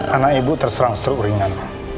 karena ibu terserang struk ringan